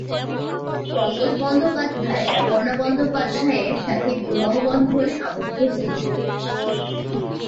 পঙ্কজ বন্দ্যোপাধ্যায় অপর্ণা বন্দ্যোপাধ্যায়ের সাথে বিবাহবন্ধনে আবদ্ধ হয়েছিলেন।